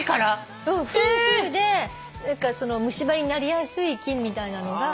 フーフーで虫歯になりやすい菌みたいなのが。